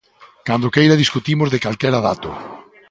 Cando queira discutimos de calquera dato.